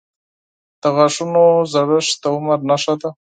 • د غاښونو زړښت د عمر نښه ده.